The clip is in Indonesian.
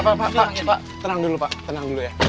pak pak pak tenang dulu pak tenang dulu ya